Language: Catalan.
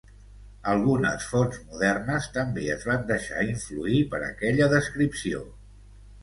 Algunes fonts modernes també es van deixar influir per aquella descripció.